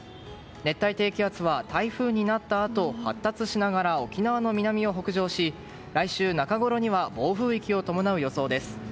熱帯低気圧は台風になったあと発達しながら沖縄の南を北上し、来週中ごろには暴風域を伴う予想です。